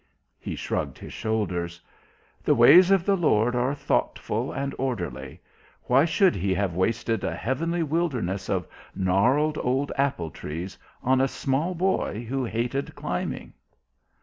He shrugged his shoulders. "The ways of the Lord are thoughtful and orderly. Why should He have wasted a heavenly wilderness of gnarled old apple trees on a small boy who hated climbing?"